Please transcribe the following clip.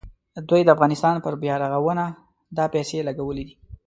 دوی د افغانستان پر بیارغونه دا پیسې لګولې دي.